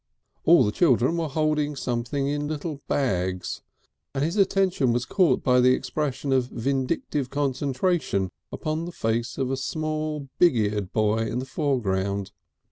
All the children were holding something in little bags, and his attention was caught by the expression of vindictive concentration upon the face of a small big eared boy in the foreground.